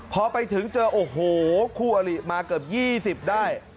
พอไปถึงเจอโอ้โหคู่อลิมาเกือบ๒๐ได้